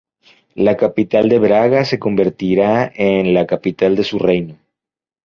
La ciudad de Braga se convertirá en la capital de su reino.